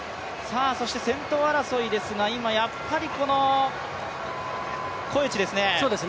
先頭争いですが今、やっぱりこのコエチですね。